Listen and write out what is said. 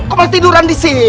kok mau tiduran disini